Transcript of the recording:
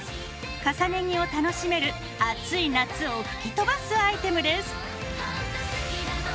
重ね着を楽しめる暑い夏を吹き飛ばすアイテムです。